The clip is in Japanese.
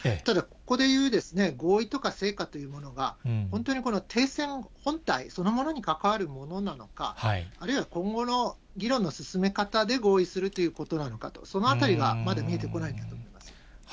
ただここでいう合意とか成果というものが、本当に停戦本体そのものに関わるものなのか、あるいは今後の議論の進め方で合意するということなのかと、そのあたりがまだ見えてこないです。